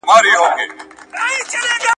ایا لوی صادروونکي وچه میوه پروسس کوي؟